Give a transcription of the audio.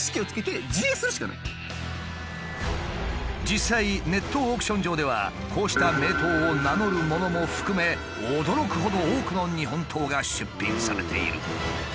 実際ネットオークション上ではこうした名刀を名乗るものも含め驚くほど多くの日本刀が出品されている。